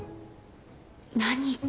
「何か」。